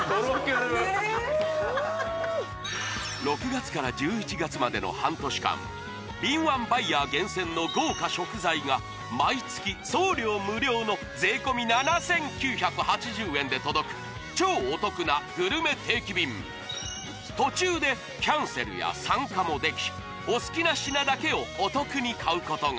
６月から１１月までの半年間敏腕バイヤー厳選の豪華食材が毎月送料無料ので届く超お得なグルメ定期便途中でキャンセルや参加もできお好きな品だけをお得に買うことが！